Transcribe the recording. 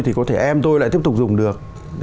thì có thể em tôi lại tiếp tục dùng được